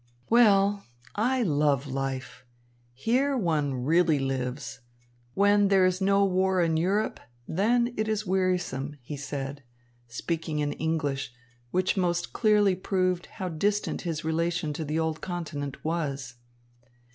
"Well, I love life. Here one really lives. When there is no war in Europe, then it is wearisome," he said, speaking in English, which most clearly proved how distant his relation to the old continent was.